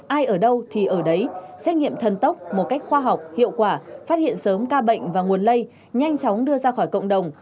ai ở đâu thì ở đấy xét nghiệm thân tốc một cách khoa học hiệu quả phát hiện sớm ca bệnh và nguồn lây nhanh chóng đưa ra khỏi cộng đồng